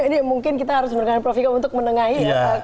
ini mungkin kita harus berikan prof vika untuk menengahi